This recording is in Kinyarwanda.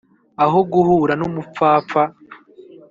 Aho guhura n umupfapfa